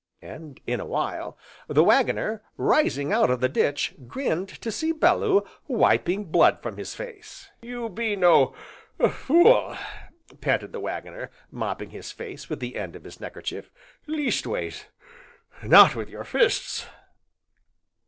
And, in a while, the Waggoner, rising out of the ditch, grinned to see Bellew wiping blood from his face. "You be no fool!" panted the Waggoner, mopping his face with the end of his neckerchief. "Leastways not wi' your fists."